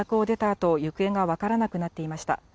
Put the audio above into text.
あと行方が分からなくなっていました。